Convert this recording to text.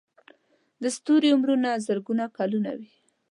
د ستوري عمرونه زرګونه کلونه وي.